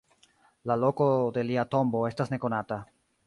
La loko de lia tombo estas nekonata.